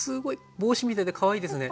帽子みたいでかわいいですね。